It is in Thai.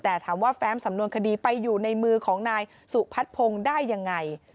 แต่ถามว่าแฟ้มสำนวนคดีไปอยู่ในมือของนายสุพัฒนพงศ์ได้ยังไง